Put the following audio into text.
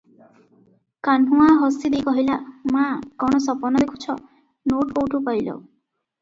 କାହ୍ନୁଆ ହସି ଦେଇ କହିଲା- "ମା' କଣ ସପନ ଦେଖୁଛ- ନୋଟ କୁଠୁ ପାଇଲ?"